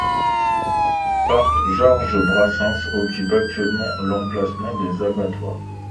Le parc Georges-Brassens occupe actuellement l'emplacement des abattoirs.